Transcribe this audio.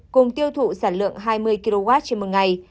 cùng tiêu thụ sản lượng hai mươi kw trên một ngày